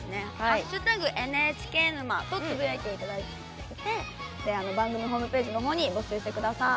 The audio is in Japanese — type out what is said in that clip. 「＃ＮＨＫ沼」とつぶやいていただいて投稿していただくか番組ホームページのほうに応募してください。